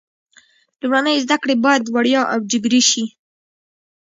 لومړنۍ زده کړې باید وړیا او جبري شي.